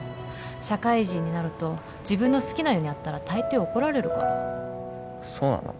社会人になると自分の好きなようにやったら大抵怒られるからそうなの？